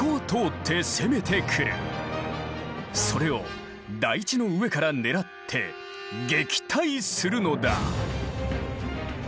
それを台地の上から狙って撃退するのだ。